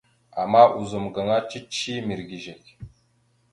Ama ozum gaŋa cici mirəgezekw.